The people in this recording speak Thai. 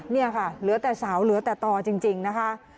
นี่ค่ะเหลือแต่สาวเหลือแต่ต่อจริงนะคะ